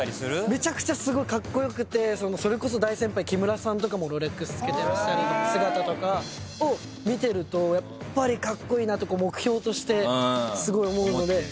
めちゃくちゃすごいカッコ良くてそれこそ大先輩木村さんとかもロレックスつけてらっしゃる姿とかを見てるとやっぱりカッコイイなって目標としてすごい思うので。